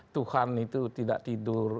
tuhan itu tidak tidur